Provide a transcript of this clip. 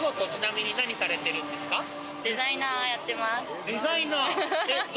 デザイナーをやってます。